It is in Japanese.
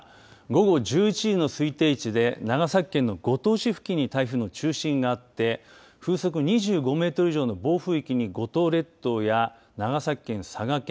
午後１１時の推定位置で長崎県の五島市付近に台風の中心があって風速２５メートル以上の暴風域に五島列島や長崎県、佐賀県